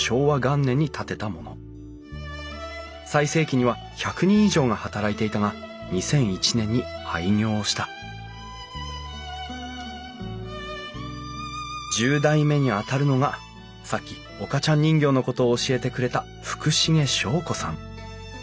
最盛期には１００人以上が働いていたが２００１年に廃業した１０代目にあたるのがさっき岡ちゃん人形のことを教えてくれた福重祥子さん。